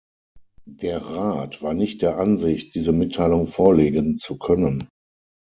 Der Rat war nicht der Ansicht, diese Mitteilung vorlegen zu können.